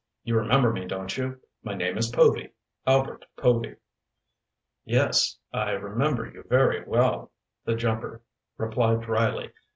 "You remember me, don't you? My name is Povy—Albert Povy." "Yes, I remember you very well," the jumper replied dryly.